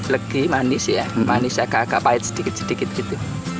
legi manis ya manisnya agak agak pahit sedikit sedikit gitu